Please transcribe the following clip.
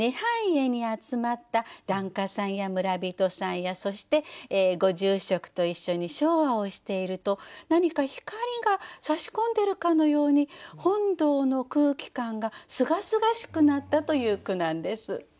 涅槃会に集まった檀家さんや村人さんやそしてご住職と一緒に唱和をしていると何か光がさし込んでるかのように本堂の空気感がすがすがしくなったという句なんです。